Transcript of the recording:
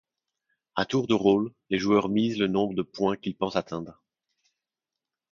A tour de rôle, les joueurs misent le nombre de points qu'ils pensent atteindre.